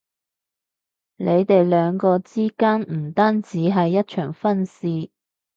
你哋兩個之間唔單止係一場婚事